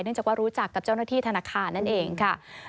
จากว่ารู้จักกับเจ้าหน้าที่ธนาคารนั่นเองค่ะ